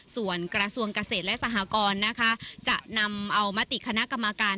ส่วนกระทรวงเกษตรและสหกรนะคะจะนำเอามติคณะกรรมการ